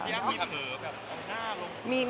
อัมมีทำเผลอแบบอ่อนข้างลง